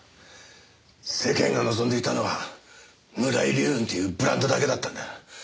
世間が望んでいたのは村井流雲っていうブランドだけだったんだ。